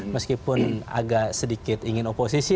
meskipun agak sedikit ingin oposisi